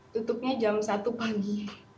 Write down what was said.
tutupnya jam satu pagi